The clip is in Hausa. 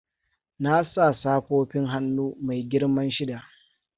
Na sa safofin hannu mai girman shida.